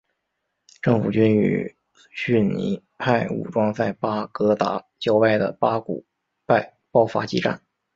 政府军与逊尼派武装在巴格达郊外的巴古拜爆发激战。